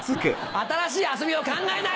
新しい遊びを考えない！